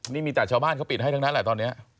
นี่มีแต่ชาวบ้านเขาปิดให้ทั้งนั้นแหละตอนนี้